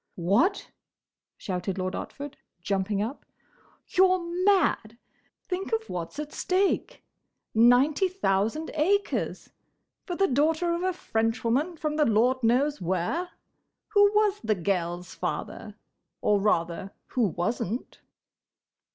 "What!" shouted Lord Otford, jumping up. "You're mad! Think of what's at stake! Ninety thousand acres!—For the daughter of a Frenchwoman from the Lord knows where. Who was the gel's father?—Or, rather, who was n't?"